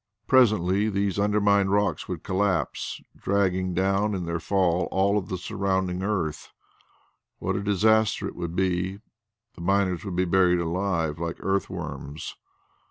Presently these undermined rocks would collapse, dragging down in their fall all the surrounding earth. What a disaster it would be. The miners would be buried alive like earth worms.